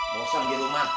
bosan di rumah